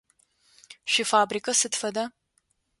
Шъуифабрикэ сыд фэда?